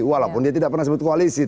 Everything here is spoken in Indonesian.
walaupun dia tidak pernah sebut koalisi